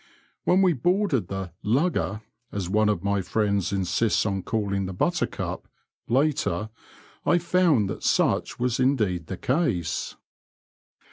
When we boarded the "lugger" (as one of my friends insists on calling the Buttercup} later, I found that such was indeed the case.